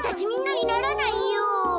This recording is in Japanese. みんなにならないよ。